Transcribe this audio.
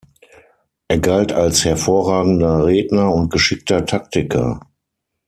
Er galt als hervorragender Redner und geschickter Taktiker.